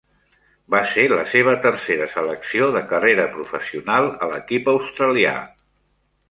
Va ser la seva tercera selecció de carrera professional a l'equip australià.